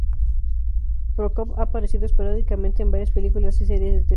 Prokop ha aparecido esporádicamente en varias películas y series de televisión.